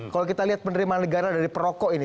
kalau kita lihat penerimaan negara dari perokok ini